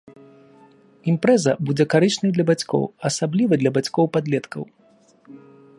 Імпрэза будзе карычнай для бацькоў, асабліва для бацькоў падлеткаў.